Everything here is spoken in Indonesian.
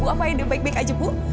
apa aida baik baik aja bu